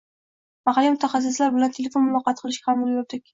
mahalliy mutaxassislar bilan telefon muloqoti qilishga ham ulgurdik.